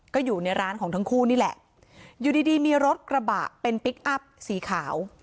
ก็อยู่ในร้านของทั้งคู่นี่แหละอยู่ดีดีมีรถกระบะเป็นพลิกอัพสีขาว